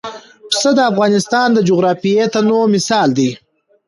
پسه د افغانستان د جغرافیوي تنوع مثال دی.